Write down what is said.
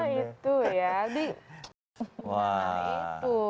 itu ya di semua itu